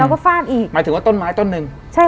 แล้วก็ฟาดอีกหมายถึงว่าต้นไม้ต้นหนึ่งใช่